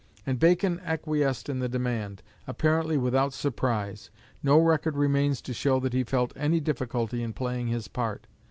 And Bacon acquiesced in the demand, apparently without surprise. No record remains to show that he felt any difficulty in playing his part.